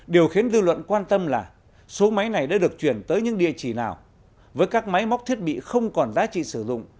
điều khiến dư luận quan tâm là số máy này đã được chuyển tới những địa chỉ nào với các máy móc thiết bị không còn giá trị sử dụng